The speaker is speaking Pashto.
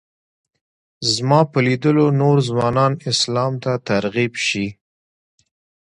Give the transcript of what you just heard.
زما په لیدلو نور ځوانان اسلام ته ترغیب شي.